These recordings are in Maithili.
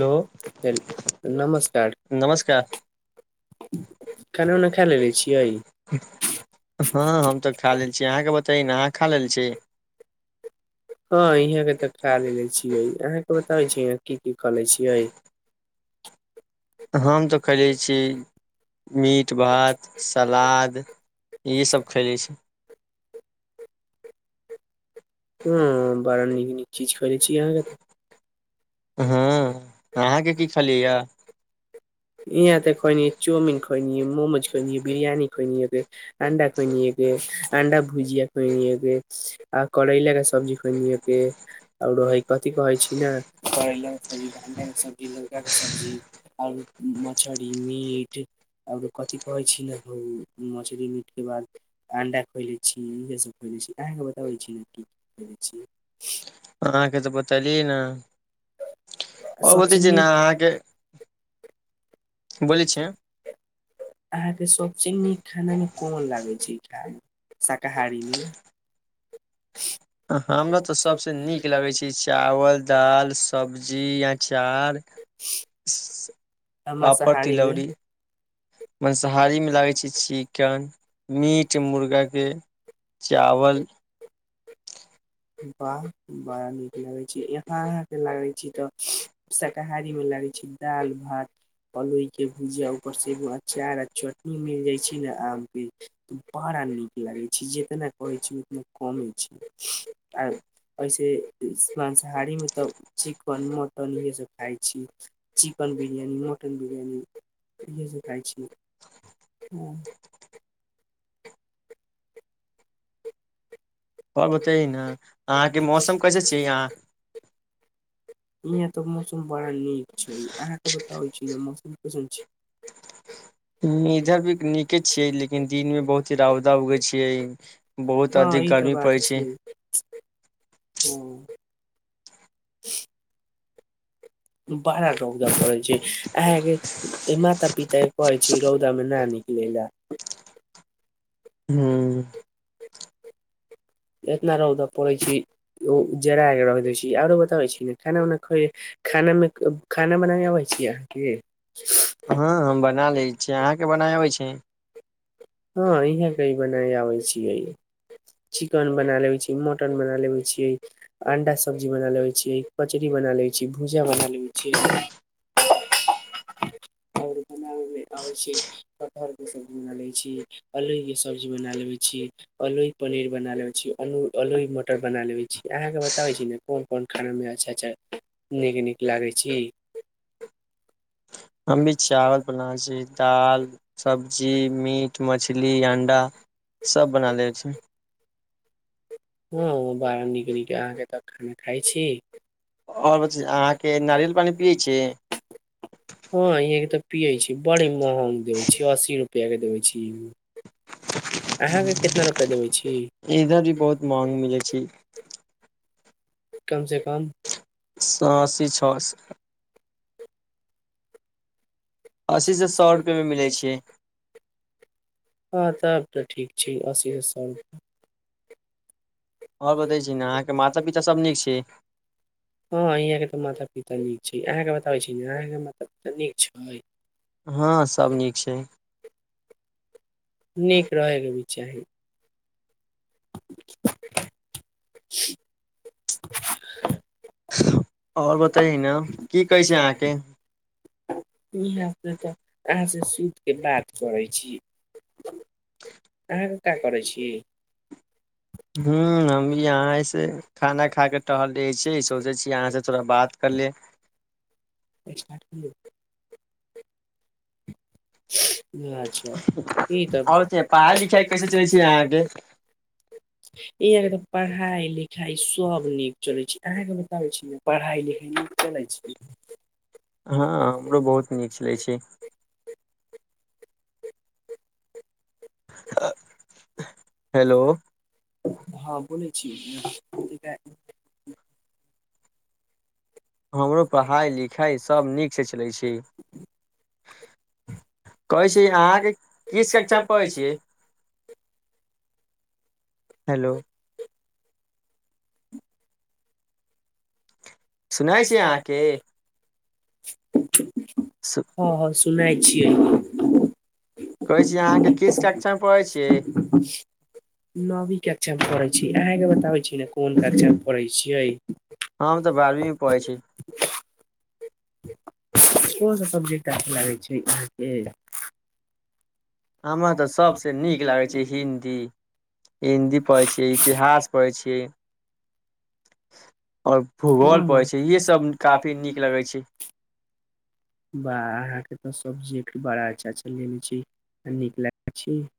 हेलो ह नमस्कार। [unintelligible] नमस्कार खाना उना खा लेले छियै [unintelligible] हँ हम तऽ खा लेल छी अहाँकेँ बताइए ने अहाँ खा लेल छी। [unintelligible] हँ -हाँ के तऽ खा लेलेे छियै अहाँके बताबै छीिय यहाँ की- की- क ले छियै। हम तऽ खयलै छी मीट भात सलाद इसभ खयलै छी। [unintelligible] हँ बड़ न- न किीज कर छीिय अहाँे तऽ। [unintelligible] हँ अहाँके की खियैए। [unintelligible] यहं तऽोइ न चौमन खोइ नै मोमोज कोोइिय बिरियानी खो न। अंडा खुन के अंडा भुजिया खुन के आ करैला के सब्जी खुने के आओर कथिी कहै छी ने। करैलाक के सबजी भण्डाे सब्जी लुकाे सब्जी आओर। मछरी मीट -आरो कथी कहै छी ने ह मछरी मीट के बाद अंडा खोले छी इहे सब खोले छी अहाँके बताबै छी ने क क खले छी। [unintelligible] अहाँके तऽ बतलियै ने। [unintelligible] ओ बतै सबसे छै ने अहाँके। [unintelligible] बोलै छी अहाँके सबसँे नीक खानामे कोन लागै छै ई खाय। शाकाहारीमे। [unintelligible] हमरा तऽ सभसँ नीक लगै छै चावल आ दालि सबजी अचार। [unintelligible] पापड़ मांसाहारी मे तिलौड़ी। [unintelligible] माँसाहारीमे लागै छै चिकन मीट मुर्गाके चावल। [unintelligible] बाह बड़ा नीक लागै छै। [unintelligible] यहाँ ल छी। [unintelligible] कहारी में लागे छै दाल भात प। [unintelligible] कि भुज आब। [unintelligible] एगो अचार चटनी मिल जाय छै ने आम के। [unintelligible] त बहड़ा नीक। लागै छै जेतना कहै छै ओतना कम। [unintelligible] आ ऐसे। [unintelligible] मांसाहारी मे तब चिकन मटन ये सब। [unintelligible] खाई छी। [unintelligible] चिकन बिरियानी म। [unintelligible] चटन बिरयणी। [unintelligible] ह जेक छी हँ। [unintelligible] आ बतेै ने छी अहाँके मौसम कैसे छैिय अहाँ। [unintelligible] इ एतऽ मौसम बड़ा नीक छै अहाँ क बता हो छ मौसम पीशन छ। इधर भी नीके छिये लेकिन दिन में बहुत ही रावदा उगे छैियै बहुत अधिक ई तऽ गर्मी पड़। बात हँ। [unintelligible] [unintelligible] बड़ा रौदाम करै छै अहाँगे- माता पिता कहै छै रौदमे न नी। लग। [unintelligible] हँ। [unintelligible] इतना रौद पड़ै छै ओ जरा कऽ रख दै छी आरो बताबै छी ने खाना उना ख- खानामे खाना बना कऽ अबै छी अहाँके। हँ हम बना लै छियै अहाँके बना अबै छै। [unintelligible] ब नहि आबै छियै। [unintelligible] चिकन बना लेबै छियै मटन बना लेबै छियै अंडा सब्जी बना लेबै छियै कचरी बना लै छियै भुजिया बना लेबै छियै। [unintelligible] आओर बनाबयमे आबै छै कटहरके सबजी बना लै छियै अलोइके सब्जी बना लेै छियै अलोइ पनीर बना लेबै छीियै अल अलोइ मटर बना लेै छी अहाँकेँ बताबै छी ने कोन- कोन खानामे अच्छा अच्छा नीक नीक लागै छै। [unintelligible] हमहु चावल बलाजी दाल सब्जी मीट मछल। [unintelligible] इटली अण्डा सब बना लै छै। [unintelligible] हँ बाहर निक- निक अहाँके तऽ खाना खाइ छी। आओर नारिय बतै अहाँके नारियल पानी पियै छियै हँ तऽ। [unintelligible] पियै छी बड़ी महग देवे छी अस्सी रुपआ के देवै छी। [unintelligible] अहाँ के कितना रुपआ देबै। [unintelligible] इधर भी बहुत माग मिलै छै। कम से कम। [unintelligible] सए अशी छओ सए। [unintelligible] अस्सीसँ सए हँ रुपैएमे मिलै छै। [unintelligible] हँ तऽ आब तऽ ठीक छै अस्सी ह सए रुप [unintelligible] ‌। प ह आओर बतै छी ने अहाँके माता सब नीक अ आे तऽ माता पिता। छै [unintelligible] तऽ नीक छै अहाँके बताबै छी ने अहाँके मतलब तऽ नीक छै। [unintelligible] हँ सभ नीक छै। [unintelligible] नीक रहेग। [unintelligible] चाही। [unintelligible] [unintelligible] ह। [unintelligible] ब तऽ आ सु। [unintelligible] के बात करै छी। [unintelligible] अहाँके का करै छी। [unintelligible] ह्म्म हम भी यहाँसँ खाना खा कऽ टहल रहै छियै सोचै छीियै अहाँसँ थोड़ा बात कर ले। [unintelligible] स् कर। [unintelligible] अच्छा ई तऽ और पढ़ाई पढ़ाइ लिखाई लिखइ कैसे चलै कै छै अहाँके आग पढ़ाइ लिखाइ। [unintelligible] सब नीक चलै छै अहाँके बताबै छी ने पढ़ाई लिखाई नीक चलै छै। [unintelligible] हँ हमरो बहुत नीक छलै छै। [unintelligible] हेलो। [unintelligible] ठ। [unintelligible] हमरो पढ़ाइ लिखाइ सभ नीकसँ चलै छी। [unintelligible] कहै छी अहाँके की कक्षामे पढ़ै छियै। [unintelligible] हेलो। [unintelligible] सुनै सुै छी छै अहाँके हँ- हँ सुनै छियैै छै। कहै छी अहाँके किस कक्षा मे पढ़ै छियै [unintelligible] नवी कक्षा हम पढ़े छी अहे के बताबै छी। कोन क्षा पढ़े छियै। [unintelligible] हम तऽ। त बारहवीं [unintelligible] ब प छी। [unintelligible] ओहोसभ सब्जेक्ट अछ लागै छै अहाँके। [unintelligible] हमरा तऽ सभसँ नीक लागै छै हिंदी हिंदी पढ़ै छियै इतिहास पढ़ै छियै। [unintelligible] आओर भूगोल परै छै इहसभ काफी नीक लगै छै। [unintelligible] ब अहाँके तऽ सब्जी बड़ा अच्छा लेने छी आ नीक लगै छी। [unintelligible]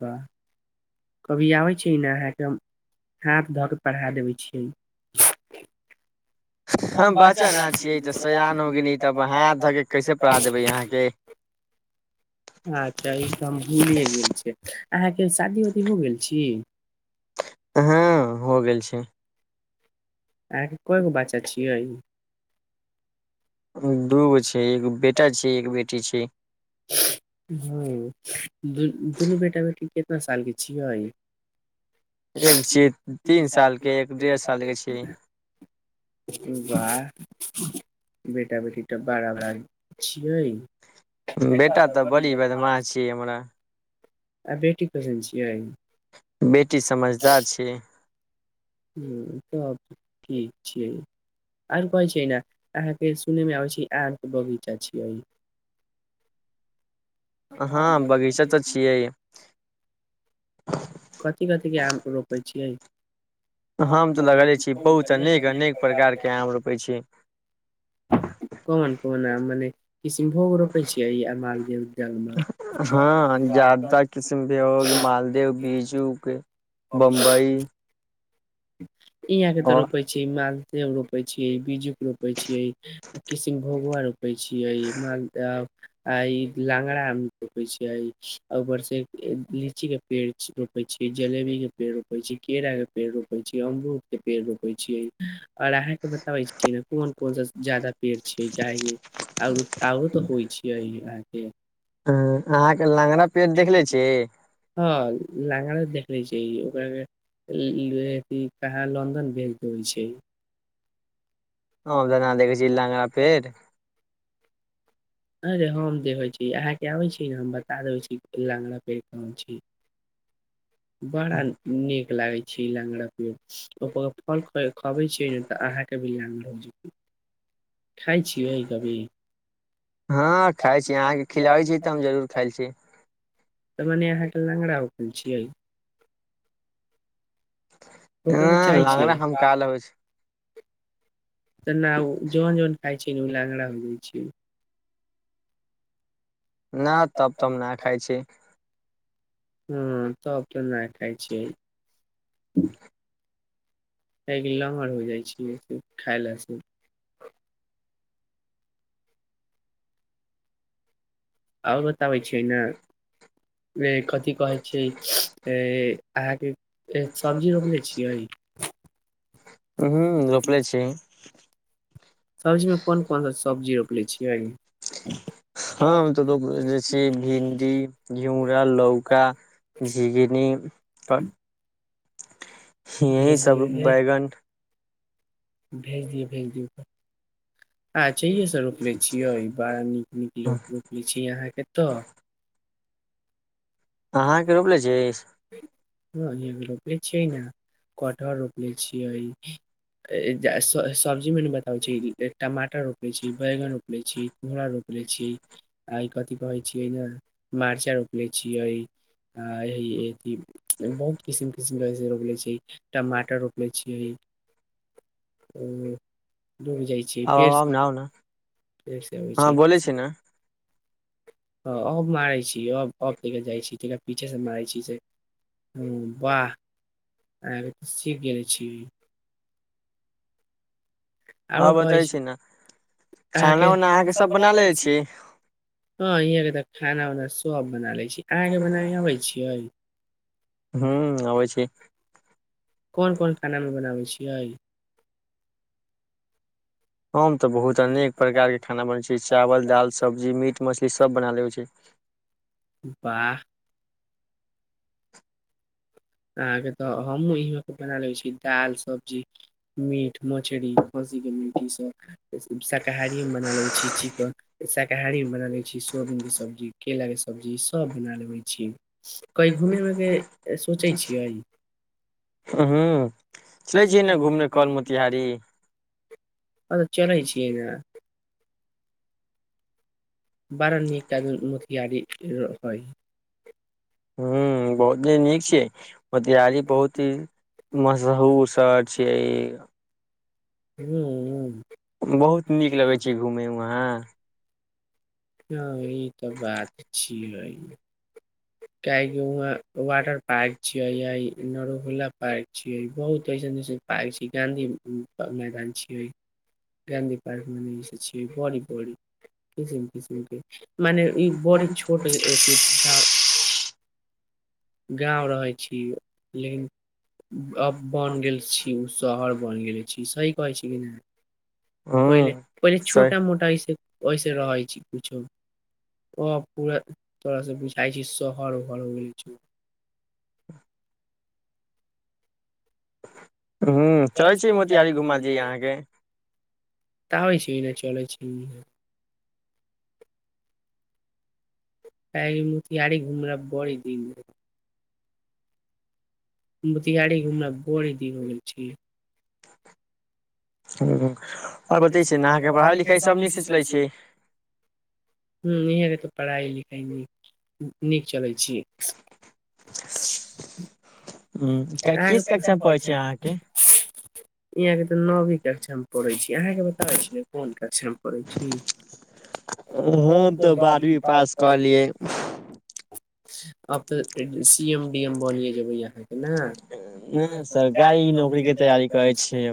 वाह कभी आबै छै ने अहाँके हाथ धऽ कऽ पढ़ा देबै छियै। [unintelligible] हम बच्चा बचल न छियै छ तऽ सय सयान हो गेली गेल तब हाथ धऽ के कैसे पढ़ा देबै अहाँके अचछा ई त हम भ गेल छ। [unintelligible] अहाँके शादी वदी हो गेल छी। [unintelligible] हँ हो गेल छै। [unintelligible] अहाँके्को गो बच्चा छियै। [unintelligible] दू ब छै। [unintelligible] एकगो बेटा छै एक बेटी छै। [unintelligible] हँ। [unintelligible] दुनू बेटा बेटीे। [unintelligible] कतना सालके छियऔ अइ। एक छै [unintelligible] तीन साल के एक सालढ़ डेढ़ के छै साल। [unintelligible] बेटा बेटी तऽ बड़ा भार छियै। [unintelligible] बेटा तऽ बड़ी बदमााँ छियै हमरा। [unintelligible] आ बेटी कसन छियइ। [unintelligible] बेटी समझदार छै। [unintelligible] ह्म त ठीक छियै आर कहै छैिय ने अहाँके सुनयमे अबै छै आत बगीचा छियै। [unintelligible] हँ बगीचा तऽ छियै। [unintelligible] [unintelligible] कथिी कथिके आम रोपै छियै। [unintelligible] आम तऽ लगलने छी बहुत अनेक अनेक प्रकारके आम रोपै छी। [unintelligible] कोमन- कोमन ह मने। [unintelligible] किष्नभोग रोपे छियै ई मारदव जल मे। [unintelligible] हँ जादा किस्म के हो मालदेव बीजू के बम्बई। [unintelligible] हं। [unintelligible] इहाँ के ते और रोपे छै माल। [unintelligible] त रोपै छियै बीज। [unintelligible] रोपै छियै। [unintelligible] किशनभोगुआ रोपे छीये माल लांगरा रोपे छीये ऊपर से -लीची के पेड़ रोपे छीे जलेबी के पेड़ रोपे छी केरा के पेड़ रोप। [unintelligible] अमरूद के पेड़ रोपे छीियै और अहाँ के बताबे छीियै ने कोन -कोन सा ज्यदा पेड़ छीिय काह आर आरो तऽ होइ छियै अहाँ के। [unintelligible] ह अहाँके लगरा पेड़ देखले छी। [unintelligible] देखनेे छै ओकरा के। [unintelligible] ई कहाहे लन्दन भेज देइ छै। [unintelligible] ह दान देखै छी लांगरा पेट। [unintelligible] अररे हम देख होइ छी अहाँके आबै छी ने हम बता देबै छी खला अगरा पेड़ कहाम छी। [unintelligible] बड़ा नीक लागै छै। [unintelligible] छीी लङंगड़ा पियअ। [unintelligible] ओ फल खबे छियै ने तऽ अहाँके भी ल रह। [unintelligible] कभी [unintelligible] हँ खाइ छी अहाँके खिलाबै छी तऽ हम जरूर खाइ छी। [unintelligible] कल चियइ। [unintelligible] हँ लंग रह हम कल होइ छै। [unintelligible] त ने आ जोन जोन खा छै न उ ल। [unintelligible] छै। [unintelligible] न तब- तब न खाय छी। [unintelligible] हँ तब -तऽ नहि खै छैिय। [unintelligible] त्म। [unintelligible] खेक लङहर हो जाइ छियै से खाय लास से। [unintelligible] आओर बताबै छियै ने। [unintelligible] ए कथी कहै छैियै -ए अहाँके सब्जी रोपनेे छियै। ह्म रोपले छी [unintelligible] हँ पीचियइ। [unintelligible] [unintelligible] हम तऽ लोक जा छै भिणडी घिरा लौका झिगनी पर। [unintelligible] यही सब बैगन। [unintelligible] भेज दियअ- भेज दियौ तऽ। [unintelligible] अच्छा इेसँ रोपले छियै ई बड़ा नीक -नीक लोक रोपले छी अहाँके तऽ। [unintelligible] अहाँके रोपले छी। [unintelligible] ह रोपले छियै ने कठहर रोपले छियै सब्जी मे बताबै छै टमाटर रोपले छी बैगन रोपले छी कुड़ [unintelligible] रोपले छी आ कथि कहे छियै ने मर्चा रोपले छियै। [unintelligible] आ बहुत किस्म किस्म के [unintelligible] टमाटर रोपने छियै। डूबि जाइ छी आब फेर आउ आउ ने आउ ने फेरसँ अबै हँ छय। बोलै छी ने [unintelligible] ह अब मारै छी अब -अब। [unintelligible] जाइ छी तरा पीछे से मारै छी से वाह -आ सीख गेले छी। [unintelligible] हँ बताय छी ने। [unintelligible] खाना उना अहाँके [unintelligible] सब बना लेले छी शोहब बना लय। [unintelligible] हू अबै छि। कोन -कोन खाना मे बनाबै छी। [unintelligible] एइ। [unintelligible] हम तऽ बहुत अनेक प्रकारके खाना बनबै छि चावल दाल सब्जी मीट मछलीसभ बना लेबै छि। [unintelligible] वाह। [unintelligible] अहाँके तऽ हमू इ [unintelligible] बना ले छी दाल सब्जी मीट मछरी खस्सी के मीट ई सब। शाकाहारीमे बना लै छी चिकन। शाकाहारी मे बना लै छी सोयबीनक के सब्जी केलाक के सब्जी सभ बना लेै छी। कइ घुम अे। [unintelligible] ह्मं। [unintelligible] चलै छियै ने घूमने कल मोतिहारी। [unintelligible] अ तऽ चलै छियै न। [unintelligible] बार नटा [unintelligible] म गी। [unintelligible] पाय। ह्म्म बहुत नीक छियै मोतिहारी बहुत ही मशहूर शहर छियै ई। [unintelligible] हूं। [unintelligible] बहुत नीक लगैत छै घुमयमे। हँ ई तऽ बात छियै। काह [unintelligible] वहा वाटर पार्क छियै नरोहुुल्ला पार्क छियै बहुत ऐसन एसन पार्क छै गाँंधी मैदान छियै गाँधी पार्क मने [unintelligible] जसे छीयै बड़ी -बड़ी किसिम किसम के। मने ई बड़ी छोट झ। [unintelligible] गाँव रहै छी। [unintelligible] लेकिन। [unintelligible] अ बन गेल छी उ शहर बन गेल छी। ई सही कहै छै क नई। ह्म पहिल -पहिल सही छोटा मोटा होइस। [unintelligible] ओहिस रहै छी किुछो [unintelligible] ओ पू तोड़ से बुझाइ छी शहर ओहर। ह चलै छी मोतिहारी घुमा दियै अहाँके। [unintelligible] त होइ छै ने चल छी। [unintelligible] मुियहारे घुमरा बड़ी दिन। [unintelligible] मोतिियहारी घुमना बड़ी दीिन हो गेल छीिय। हं। [unintelligible] आओर बतै छै ने अहाँके पढ़ाइ लिखाइ सभ नीकसँ चलै छै। [unintelligible] इह तऽ पढ़ाइ लिखाइ नीक चलै छी। [unintelligible] ह किस अहाँके कक्षा पढ़ै छै अहाँके। [unintelligible] अहाँ के तऽ नवी क्ष हम पढ़े छी। [unintelligible] अहाँके बताै छियै कोन क छै। पढ़े छी। हम अहों ते तऽ बारहवीं बारवीं पास कहलियै। [unintelligible] आब तऽ सी एम डी एम बने जेबै यहाँ के ने ह गाड़ी नौकरी के तैयी करै छी। [unintelligible]